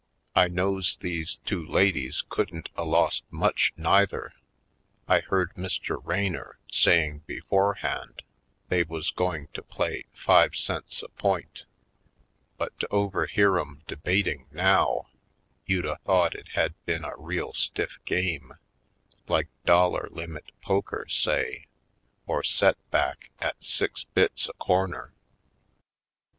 I knows these two ladies couldn't a lost much neither — I heard Mr. Raynor saying beforehand they was going to play five cents a point. But to overhear 'em de bating now, you'd a thought it had been a real stiff game, like dollar limit poker, say, or set back at six bits a corner.